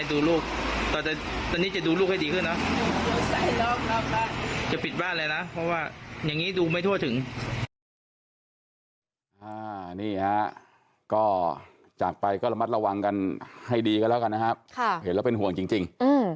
ดูไม่ทั่วถึง